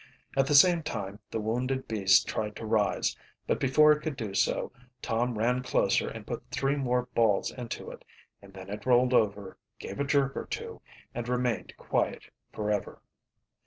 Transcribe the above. At the same time the wounded beast tried to rise, but before it could do so Tom ran closer and put three more balls into it, and then it rolled over, gave a jerk or two, and remained quiet forever.